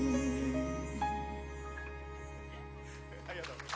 ありがとう。